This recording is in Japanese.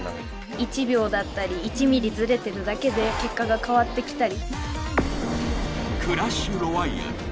１秒だったり１ミリずれてるだけで結果が変わってきたり。